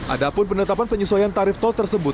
ada pun penetapan penyesuaian tarif tol tersebut